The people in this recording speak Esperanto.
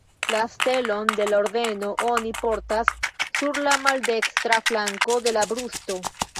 La stelon de la Ordeno oni portas sur la maldekstra flanko de la brusto.